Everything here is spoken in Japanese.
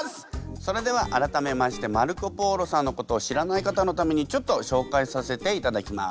それでは改めましてマルコ・ポーロさんのことを知らない方のためにちょっと紹介させていただきます。